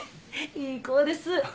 いい子です。